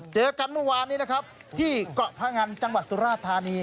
เจอกันเมื่อวานนี้นะครับที่เกาะพงันจังหวัดสุราธานี